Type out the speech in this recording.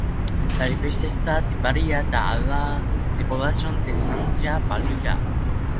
La iglesia está dedicada a La Degollación de San Juan Bautista.